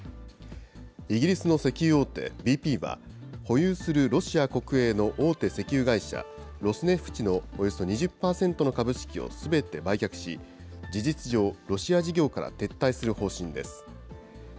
イギリスの石油大手、ＢＰは、保有するロシア国営の大手石油会社、ロスネフチのおよそ２０％の株式をすべて売却し、事実上、ロシア事業から撤退する方針です。